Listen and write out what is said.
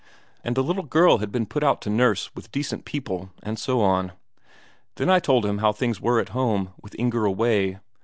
And the little girl had been put out to nurse with decent people, and so on. Then I told him how things were at home, with Inger away.